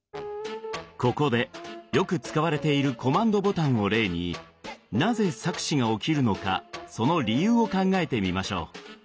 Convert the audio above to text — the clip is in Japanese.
ここでよく使われているコマンドボタンを例になぜ錯視が起きるのかその理由を考えてみましょう。